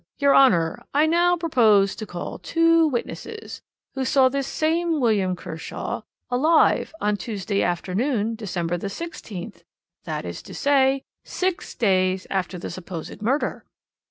your Honour, I now propose to call two witnesses, who saw this same William Kershaw alive on Tuesday afternoon, December the 16th, that is to say, six days after the supposed murder.'